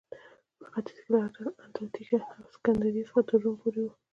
په ختیځ کې له اتن، انطاکیه او سکندریې څخه تر روم پورې و